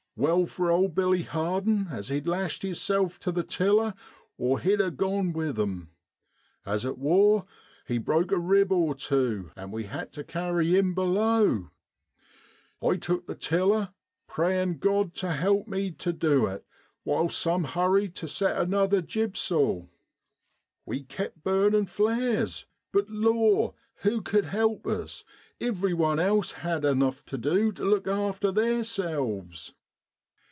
Well for old Billy Har den as he'd lashed hisself tu the tiller, or he'd a gone with 'em. As it wor, he'd broke a rib or tew, an' we had tu carry 'im below. I took the tiller, prayin' Grod tu help me tu du it, while some hurried tu set another jibsail. We kept burnin' flares, but law ! who cud help us ? iveryone else had enough tu du tu look after theerselves.